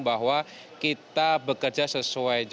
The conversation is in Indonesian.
bahwa kita bekerja sesuai jadwal